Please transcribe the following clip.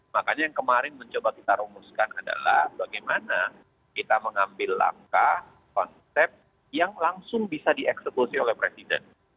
makanya yang kemarin mencoba kita rumuskan adalah bagaimana kita mengambil langkah konsep yang langsung bisa dieksekusi oleh presiden